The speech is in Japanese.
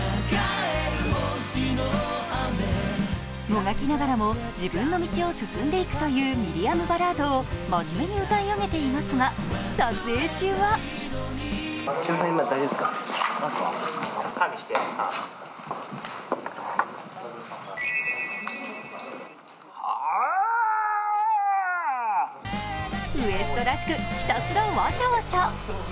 もがきながらも自分の道を進んでいくというミディアムバラードを真面目に歌い上げていますが、撮影中はＷＥＳＴらしくひたすらわちゃわちゃ。